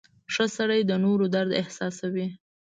• ښه سړی د نورو درد احساسوي.